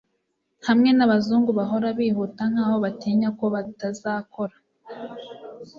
hamwe nabazungu bahora bihuta nkaho batinya ko batazakora